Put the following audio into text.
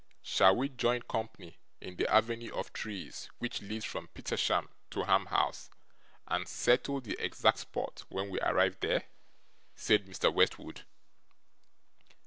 'Shall we join company in the avenue of trees which leads from Petersham to Ham House, and settle the exact spot when we arrive there?' said Mr Westwood.